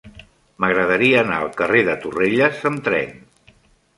M'agradaria anar al carrer de Torrelles amb tren.